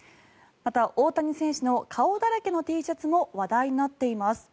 また、大谷選手の顔だらけのＴシャツも話題になっています。